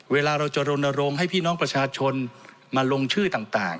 เวลาเราจะรณรงค์ให้พี่น้องประชาชนมาลงชื่อต่าง